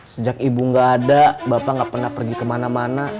sejak ibu gak ada bapak nggak pernah pergi kemana mana